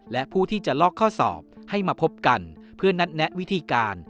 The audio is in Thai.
และผู้ที่จะลอกข้อสอบให้มาพบกันเพื่อนัดแนะวิธีการ